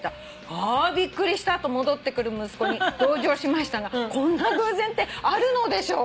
「『あびっくりした』と戻ってくる息子に同情しましたがこんな偶然ってあるのでしょうか？」